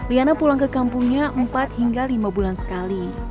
liana pulang ke kampungnya empat hingga lima bulan sekali